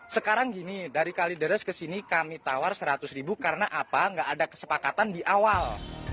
sekarang gini dari kalideres ke sini kami tawar seratus ribu karena apa nggak ada kesepakatan di awal